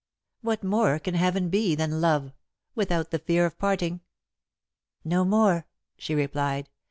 What more can heaven be than love without the fear of parting?" "No more," she replied.